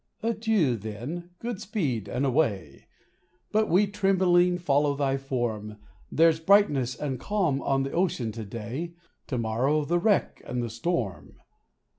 Adieu, then, good speed and away ! But we tremblingly follow thy form. There's brightness and calm on the ocean to day ; To morrow, the wreck and the storm.